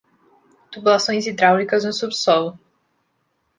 Tubulações hidráulicas no subsolo